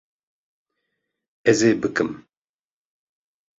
Ez ê bikim